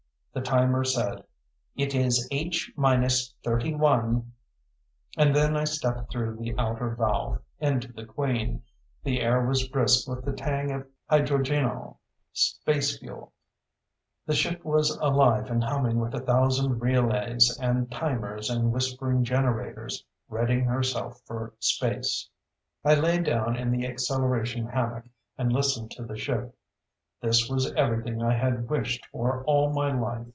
The timer said: "It is H minus thirty one." And then I stepped through the outer valve, into the Queen. The air was brisk with the tang of hydrogenol. Space fuel. The ship was alive and humming with a thousand relays and timers and whispering generators, readying herself for space. I lay down in the acceleration hammock and listened to the ship. This was everything I had wished for all my life.